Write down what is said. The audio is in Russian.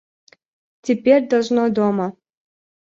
Теперь должно дома.